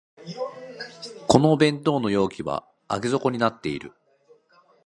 この弁当の容器は上げ底になってる